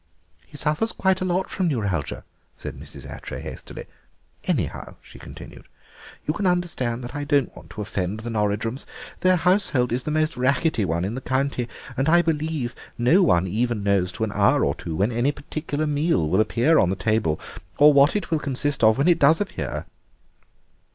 "He suffers quite a lot from neuralgia," said Mrs. Attray hastily. "Anyhow," she continued, "you can understand that I don't want to offend the Norridrums. Their household is the most rackety one in the county, and I believe no one ever knows to an hour or two when any particular meal will appear on the table or what it will consist of when it does appear."